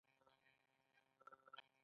ماڼۍ لویه ده.